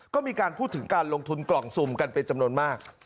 ก็มีการพูดถึงการลงทุนกล่องซุ่มกันเป็นจำนวนมาก